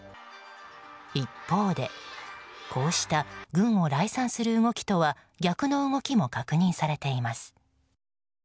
一方で、こうした軍を礼賛する動きとは逆の動きも確認されています。